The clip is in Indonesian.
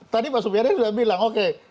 tadi pak supi hadi sudah bilang oke